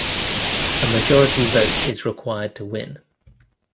A majority vote is required to win.